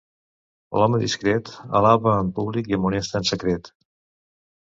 L'home discret alaba en públic i amonesta en secret.